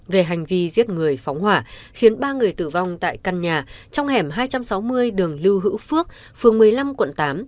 về hành vi giết người phóng hỏa khiến ba người tử vong tại căn nhà trong hẻm hai trăm sáu mươi đường lưu hữu phước phường một mươi năm quận tám